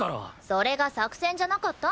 それが作戦じゃなかった？